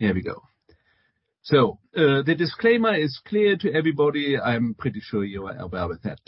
Here we go. The disclaimer is clear to everybody. I'm pretty sure you are aware with that.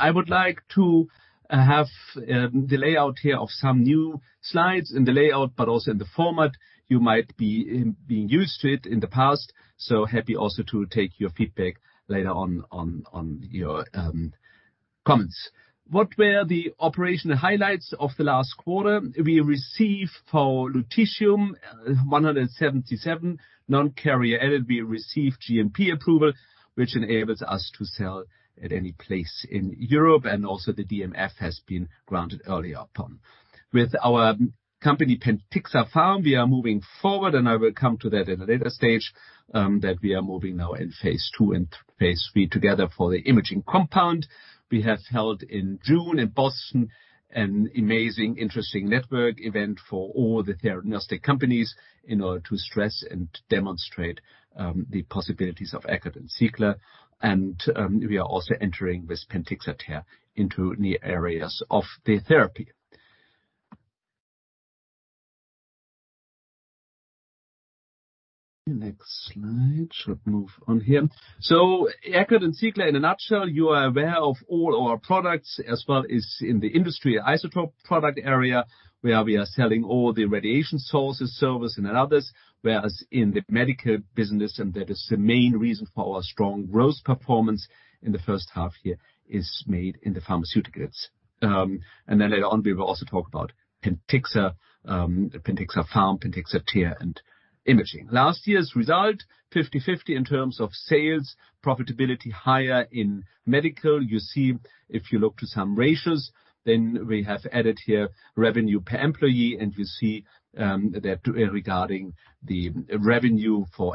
I would like to have the layout here of some new slides in the layout, but also in the format. You might be being used to it in the past, happy also to take your feedback later on your comments. What were the operational highlights of the last quarter? We received for Lutetium-177 non-carrier-added. We received GMP approval, which enables us to sell at any place in Europe, and also the DMF has been granted earlier on. With our company, PentixaPharm, we are moving forward, and I will come to that in a later stage, that we are moving now in phase II and phase III together for the imaging compound. We have held in June, in Boston, an amazing, interesting network event for all the diagnostic companies in order to stress and demonstrate the possibilities of Eckert & Ziegler. We are also entering with PentixaTher into new areas of the therapy. Next slide. Should move on here. Eckert & Ziegler, in a nutshell, you are aware of all our products, as well as in the industry isotope product area, where we are selling all the radiation sources, service and others. Whereas in the medical business, and that is the main reason for our strong growth performance in the first half year, is made in the pharmaceuticals. Later on, we will also talk about Pentixa, PentixaPharm, PentixaTher and imaging. Last year's result, 50/50 in terms of sales, profitability, higher in medical. You see, if you look to some ratios, then we have added here revenue per employee, and you see, that regarding the revenue per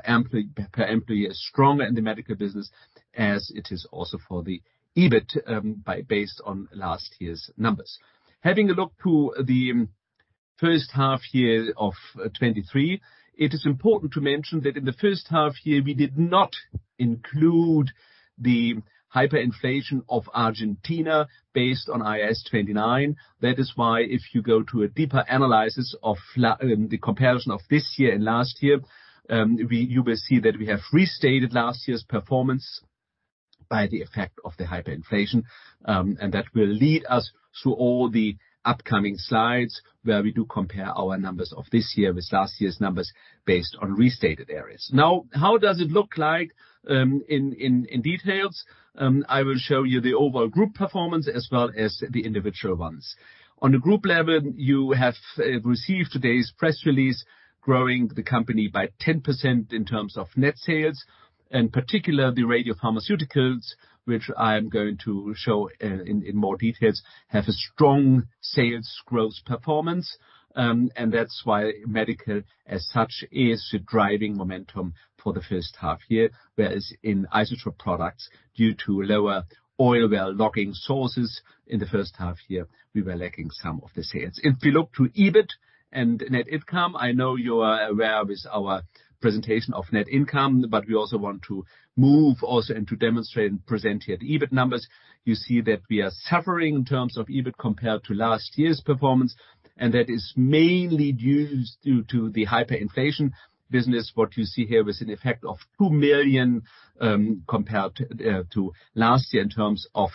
employee is strong in the medical business, as it is also for the EBIT, by based on last year's numbers. Having a look to the first half year of 2023, it is important to mention that in the first half year, we did not include the hyperinflation of Argentina based on IAS 29. That is why if you go to a deeper analysis of the comparison of this year and last year, you will see that we have restated last year's performance by the effect of the hyperinflation. That will lead us through all the upcoming slides, where we do compare our numbers of this year with last year's numbers based on restated areas. Now, how does it look like in details? I will show you the overall group performance as well as the individual ones. On a group level, you have received today's press release, growing the company by 10% in terms of net sales, and particularly the radiopharmaceuticals, which I am going to show in more details, have a strong sales growth performance. That's why medical, as such, is the driving momentum for the first half year. Whereas in isotope products, due to lower oil well logging sources in the first half year, we were lacking some of the sales. If we look to EBIT and net income, I know you are aware with our presentation of net income, but we also want to move also and to demonstrate and present here the EBIT numbers. You see that we are suffering in terms of EBIT compared to last year's performance. That is mainly due to the hyperinflation business. What you see here was an effect of $2 million compared to last year in terms of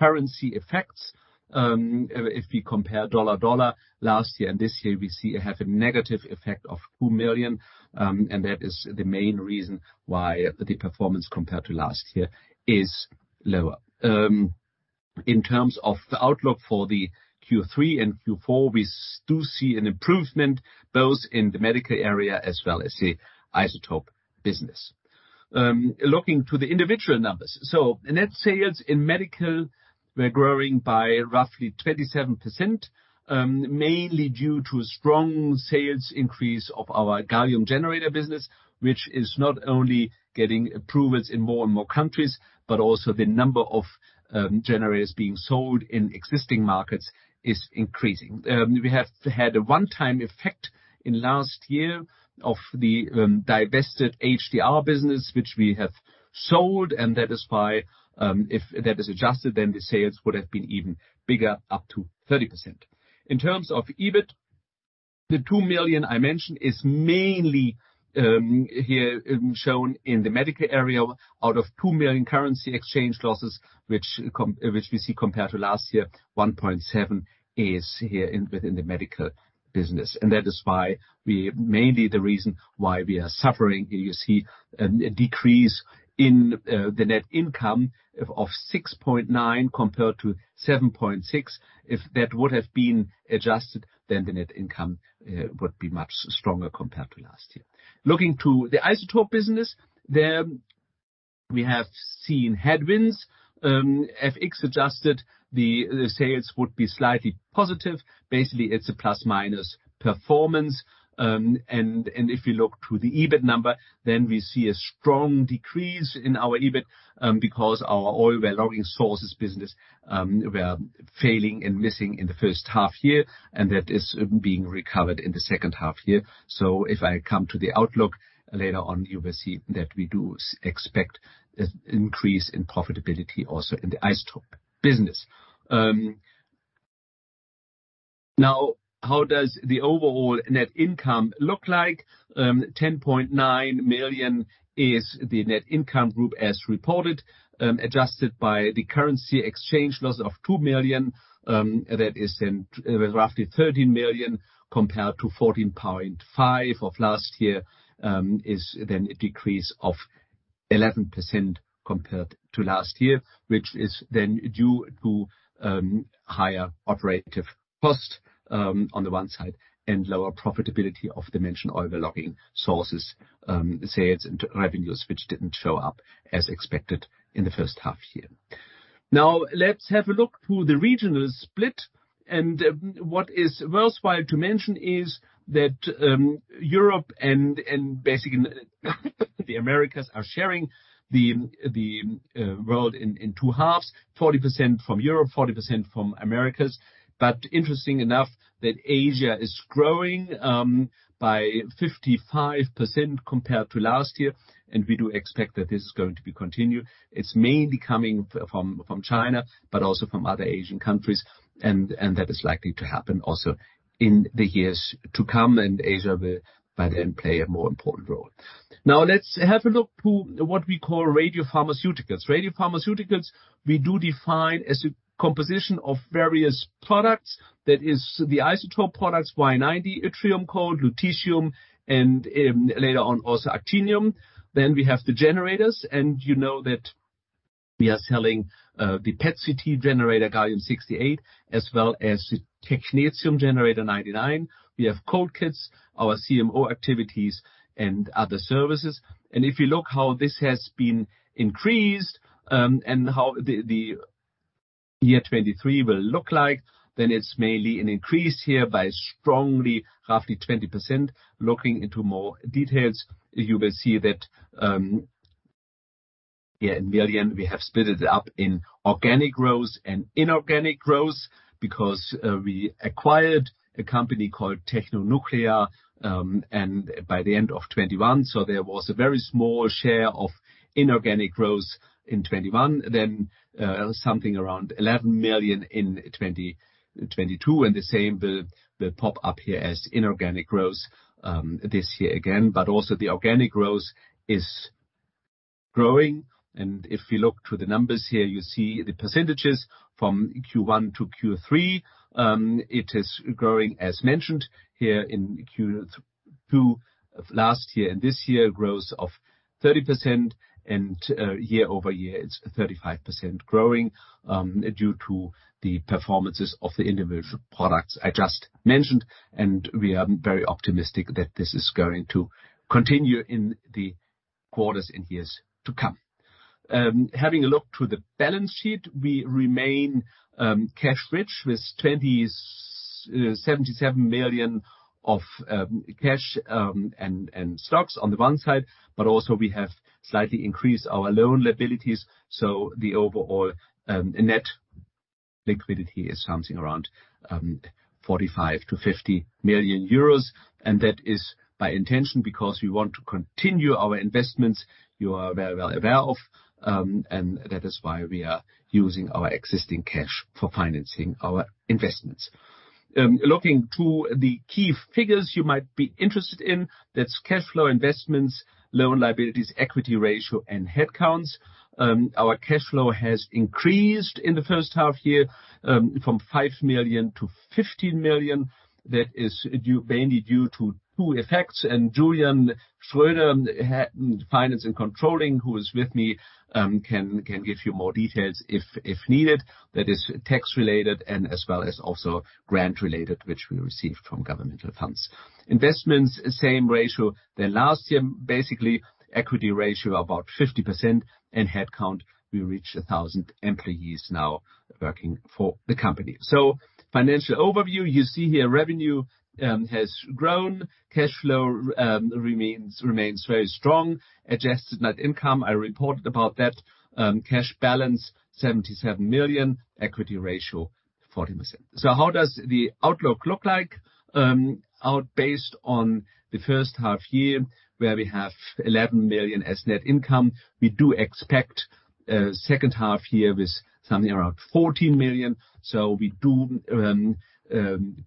currency effects. If we compare dollar to dollar, last year and this year, we see it have a negative effect of $2 million. That is the main reason why the performance compared to last year is lower. In terms of the outlook for the Q3 and Q4, we still see an improvement, both in the medical area as well as the isotope business. Looking to the individual numbers. Net sales in medical were growing by roughly 27%, mainly due to strong sales increase of our Gallium-68 generator business, which is not only getting approvals in more and more countries, but also the number of generators being sold in existing markets is increasing. We have had a one-time effect in last year of the divested HDR business, which we have sold, and that is why, if that is adjusted, then the sales would have been even bigger, up to 30%. In terms of EBIT, the 2 million I mentioned is mainly here shown in the medical area. Out of 2 million currency exchange losses, which we see compared to last year, 1.7 million is here within the medical business. That is why we mainly the reason why we are suffering. Here you see a decrease in the net income of 6.9 compared to 7.6. If that would have been adjusted, the net income would be much stronger compared to last year. Looking to the isotope business, there we have seen headwinds. FX adjusted, the sales would be slightly positive. Basically, it's a plus-minus performance. If you look to the EBIT number, we see a strong decrease in our EBIT because our oil well logging sources business were failing and missing in the first half year, that is being recovered in the second half year. If I come to the outlook later on, you will see that we do expect an increase in profitability also in the isotope business. Now, how does the overall net income look like? 10.9 million is the net income group as reported, adjusted by the currency exchange loss of 2 million, that is then roughly 13 million, compared to 14.5 million of last year, is then a decrease of 11% compared to last year, which is then due to higher operative costs on the one side, and lower profitability of the mentioned oil well logging sources sales and revenues, which didn't show up as expected in the first half-year. Let's have a look to the regional split, what is worthwhile to mention is that Europe and basically, the Americas are sharing the world in two halves: 40% from Europe, 40% from Americas. Interesting enough, that Asia is growing by 55% compared to last year, and we do expect that this is going to be continued. It's mainly coming from China, but also from other Asian countries, and that is likely to happen also in the years to come, and Asia will, by then, play a more important role. Now let's have a look to what we call radiopharmaceuticals. Radiopharmaceuticals, we do define as a composition of various products. That is the isotope products, Y-90, Yttrium code, lutetium, and later on, also actinium. We have the generators, and you know that we are selling the PET/CT generator, Gallium-68, as well as the Technetium generator 99. We have cold kits, our CMO activities, and other services. If you look how this has been increased, and how the year 2023 will look like, then it's mainly an increase here by strongly, roughly 20%. Looking into more details, you will see that, here in million, we have split it up in organic growth and inorganic growth because we acquired a company called Tecnonuclear, and by the end of 2021, so there was a very small share of inorganic growth in 2021, then something around 11 million in 2022, and the same will pop up here as inorganic growth this year again. Also the organic growth is growing, and if you look to the numbers here, you see the percentages from Q1 to Q3. It is growing, as mentioned, here in Q2 of last year, and this year, growth of 30%, and year-over-year, it's 35% growing, due to the performances of the individual products I just mentioned, and we are very optimistic that this is going to continue in the quarters and years to come. Having a look to the balance sheet, we remain cash rich, with 77 million of cash and stocks on the one side, but also we have slightly increased our loan liabilities, so the overall net liquidity is something around 45 million-50 million euros. That is by intention, because we want to continue our investments. You are very well aware of, that is why we are using our existing cash for financing our investments. Looking to the key figures you might be interested in, that's cash flow investments, loan liabilities, equity ratio, and headcounts. Our cash flow has increased in the first half year, from 5 million to 15 million. That is due, mainly due to two effects, and Julian Schröder, Head Finance and Controlling, who is with me, can give you more details if needed. That is tax-related and as well as also grant-related, which we received from governmental funds. Investments, same ratio than last year, basically, equity ratio about 50%, and headcount, we reached 1,000 employees now working for the company. Financial overview, you see here revenue, has grown. Cash flow, remains very strong. Adjusted net income, I reported about that. Cash balance, 77 million. Equity ratio, 40%. How does the outlook look like? Out, based on the first half year, where we have 11 million as net income, we do expect a second half year with something around 14 million. We do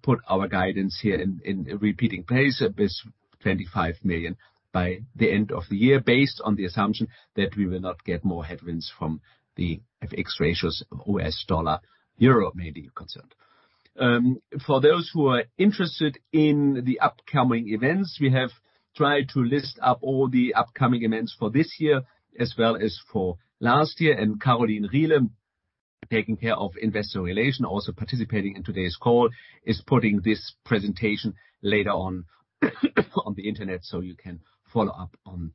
put our guidance here in, in repeating pace with 25 million by the end of the year, based on the assumption that we will not get more headwinds from the FX ratios, US dollar, euro may be concerned. For those who are interested in the upcoming events, we have tried to list up all the upcoming events for this year as well as for last year, and Karolin Riehle, taking care of Investor Relations, also participating in today's call, is putting this presentation later on the Internet, so you can follow up on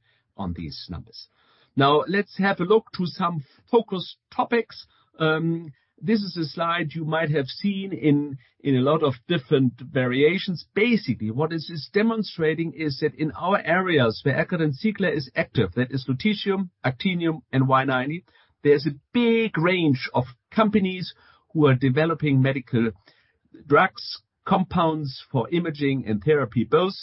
these numbers. Let's have a look to some focus topics. This is a slide you might have seen in a lot of different variations. Basically, what this is demonstrating is that in our areas where Eckert & Ziegler is active, that is lutetium, actinium, and Y-90, there's a big range of companies who are developing medical drugs, compounds for imaging and therapy both.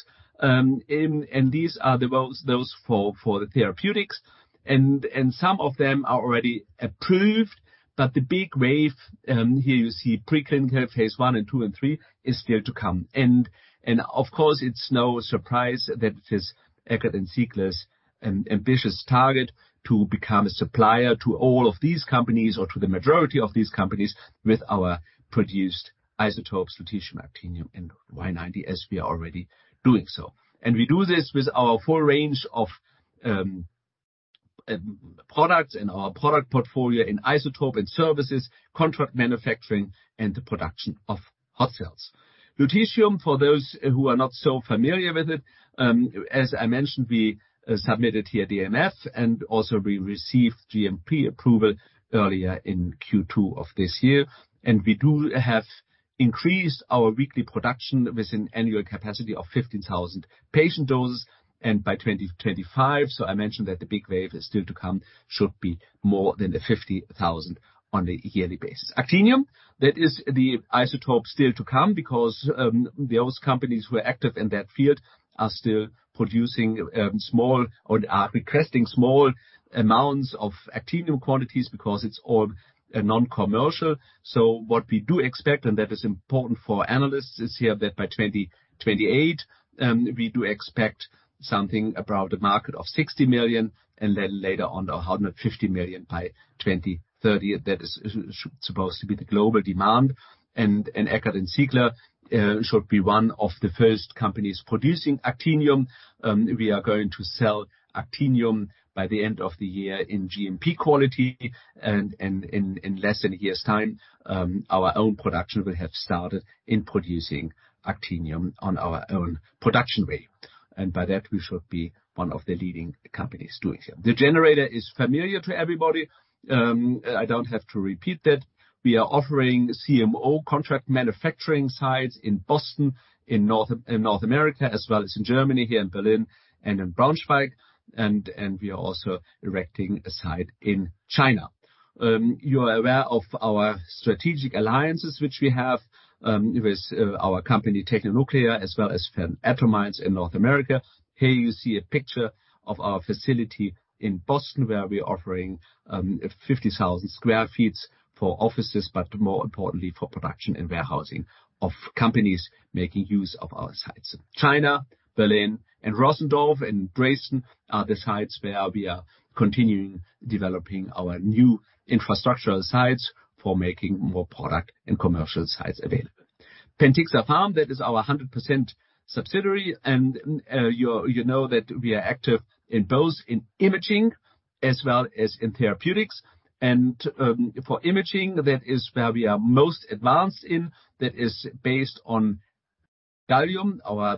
These are the ones for the therapeutics, some of them are already approved. The big wave, here you see preclinical phase I and II and III, is still to come. Of course, it's no surprise that it is Eckert & Ziegler's ambitious target to become a supplier to all of these companies, or to the majority of these companies, with our produced isotopes, lutetium, actinium, and Y-90, as we are already doing so. We do this with our full range of products in our product portfolio, in isotope and services, contract manufacturing, and the production of hot cells. Lutetium, for those who are not so familiar with it, as I mentioned, we submitted here a DMF, and also we received GMP approval earlier in Q2 of this year. We do have increased our weekly production with an annual capacity of 15,000 patient doses, and by 2025, so I mentioned that the big wave is still to come, should be more than the 50,000 on a yearly basis. Actinium, that is the isotope still to come, because those companies who are active in that field are still producing small or are requesting small amounts of Actinium quantities because it's all non-commercial. What we do expect, and that is important for our analysts, is here, that by 2028, we do expect something about a market of 60 million, and then later on, 150 million by 2030. That is, supposed to be the global demand, and Eckert & Ziegler should be one of the first companies producing actinium. We are going to sell actinium by the end of the year in GMP quality, and in less than a year's time, our own production will have started in producing actinium on our own production way. By that, we should be one of the leading companies doing so. The generator is familiar to everybody, I don't have to repeat that. We are offering CMO contract manufacturing sites in Boston, in North America, as well as in Germany, here in Berlin and in Braunschweig, and we are also erecting a site in China. You are aware of our strategic alliances, which we have with our company, Tecnonuclear, as well as Atom Mines in North America. Here you see a picture of our facility in Boston, where we're offering 50,000 sq ft for offices, but more importantly, for production and warehousing of companies making use of our sites. China, Berlin, and Rossendorf and Braunschweig are the sites where we are continuing developing our new infrastructural sites for making more product and commercial sites available. PentixaPharm, that is our 100% subsidiary, and you know that we are active in both in imaging as well as in therapeutics. For imaging, that is where we are most advanced in. That is based on Gallium. Our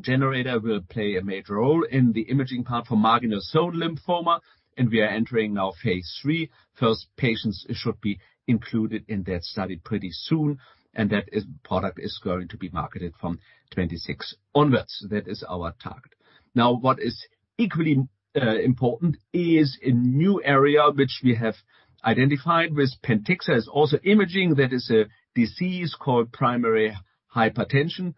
generator will play a major role in the imaging part for marginal zone lymphoma, and we are entering now phase III. First patients should be included in that study pretty soon, product is going to be marketed from 2026 onwards. That is our target. What is equally important is a new area which we have identified with Pentixa, is also imaging. That is a disease called primary hypertension,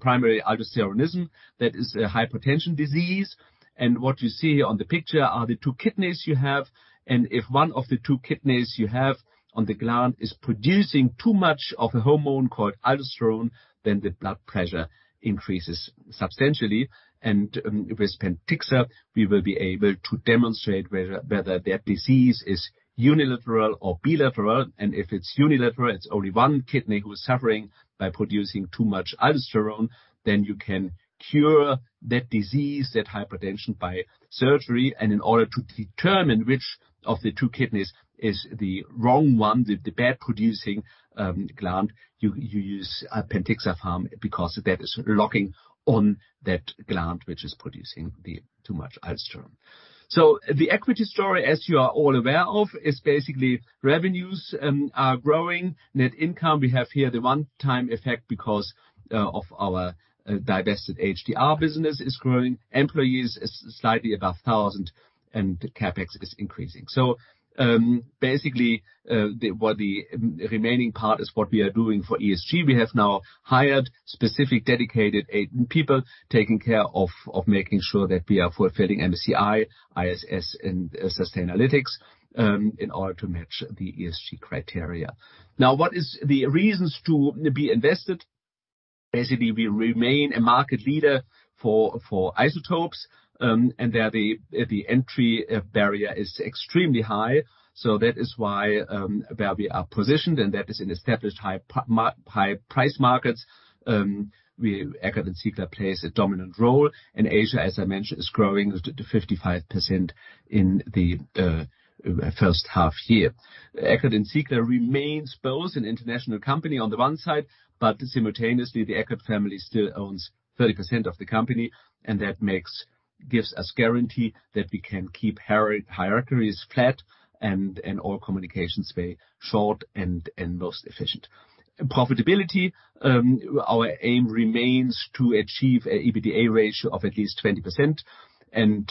primary aldosteronism. That is a hypertension disease. What you see on the picture are the two kidneys you have, and if one of the two kidneys you have on the gland is producing too much of a hormone called aldosterone, then the blood pressure increases substantially. With Pentixa, we will be able to demonstrate whether their disease is unilateral or bilateral. If it's unilateral, it's only one kidney who is suffering by producing too much aldosterone, then you can cure that disease, that hypertension, by surgery. In order to determine which of the two kidneys is the wrong one, the bad-producing gland, you use PentixaPharm, because that is locking on that gland, which is producing the too much aldosterone. The equity story, as you are all aware of, is basically revenues are growing. Net income, we have here the one-time effect because of our divested HDR business is growing. Employees is slightly above 1,000 and CapEx is increasing. Basically, what the remaining part is what we are doing for ESG. We have now hired specific, dedicated eight people, taking care of making sure that we are fulfilling MSCI, ISS, and Sustainalytics, in order to match the ESG criteria. What is the reasons to be invested? We remain a market leader for isotopes, and there the entry barrier is extremely high. That is why, where we are positioned, and that is in established high price markets, Eckert & Ziegler plays a dominant role. Asia, as I mentioned, is growing to 55% in the first half year. Eckert & Ziegler remains both an international company on the one side, simultaneously, the Eckert family still owns 30% of the company, and that gives us guarantee that we can keep hierarchies flat and all communications very short and most efficient. Profitability, our aim remains to achieve a EBITDA ratio of at least 20%, and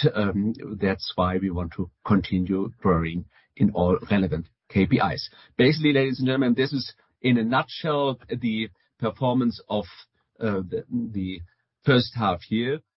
that's why we want to continue growing in all relevant KPIs. Basically, ladies and gentlemen, this is, in a nutshell, the performance of the first half year.